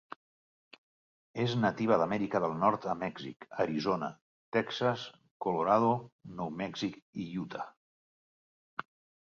És nativa d'Amèrica del Nord a Mèxic, Arizona, Texas, Colorado, Nou Mèxic i Utah.